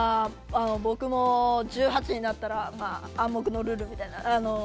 僕も１８になったら暗黙のルールみたいな。